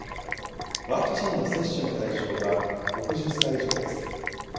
ワクチンの接種の対象は６０歳以上です。